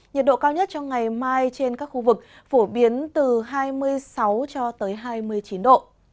nhiệt độ cao nhất trong ngày mai trên các khu vực phổ biến từ hai mươi sáu cho tới hai mươi chín độ